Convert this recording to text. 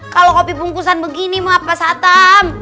kalo kopi bungkusan begini mah pak satam